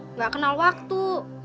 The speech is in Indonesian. nggak kenal waktu